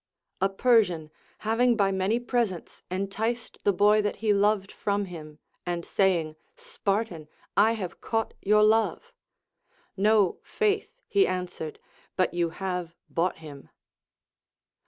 A Persian having by many presents enticed the boy that he loved from him, and say 4U5S LACONIC APOPHTHEGMS. ing, Spartan, I have caught your love ; No, faith, he an swered, but you have bought him.